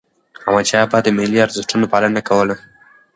احمد شاه بابا د ملي ارزښتونو پالنه کوله.